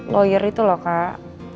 lawyer itu loh kak